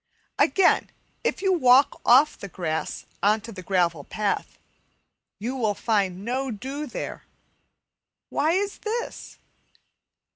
Again, if you walk off the grass on to the gravel path, you find no dew there. Why is this?